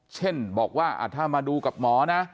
เช่นบอกว่าถ้ามาดูกับหมอนะ